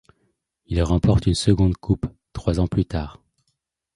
Il remporte une seconde Coupe trois ans plus tard.